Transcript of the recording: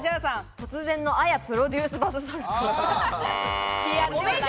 突然のＡＹＡプロデュースバスソルト。